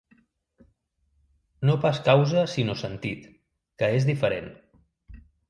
No pas causa sinó sentit, que és diferent.